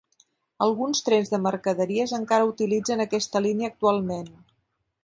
Alguns trens de mercaderies encara utilitzen aquesta línia actualment.